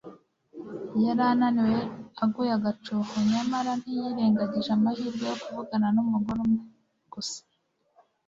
Yari ananiwe aguye agacuho; nyamara ntiyirengagije amahirwe yo kuvugana n’umugore umwe gusa